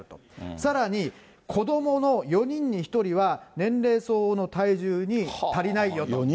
さらに、子どもの４人に１人は年齢相応の体重に足りないよと。